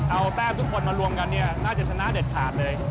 เอาแต้มทุกคนมารวมกันเนี่ยน่าจะชนะเด็ดขาดเลย